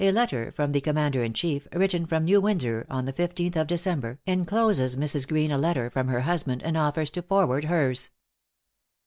A letter from the Commander in chief, written from New Windsor on the 15th of December, encloses Mrs. Greene a letter from her husband, and offers to forward hers.